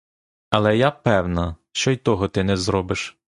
Але я певна, що й того ти не зробиш!